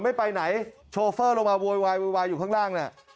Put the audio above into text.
ถ้าถนนไม่ไปไหนโชเฟอร์ลงมาววยวายอยู่ข้างล่างนะ